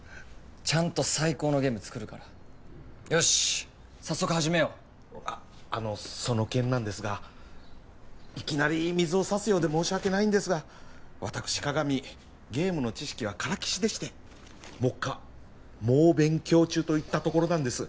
ちゃんと最高のゲーム作るからよしっ早速始めようあっあのその件なんですがいきなり水をさすようで申し訳ないんですが私各務ゲームの知識はからきしでして目下猛勉強中といったところなんです